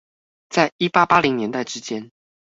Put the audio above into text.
在一八八零年代之間